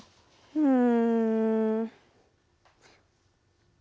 うん。